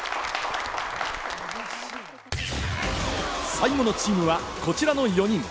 最後のチームはこちらの４人。